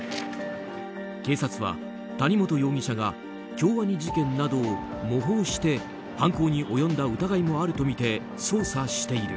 警察は、谷本容疑者が京アニ事件などを模倣して犯行に及んだ疑いもあるとみて捜査している。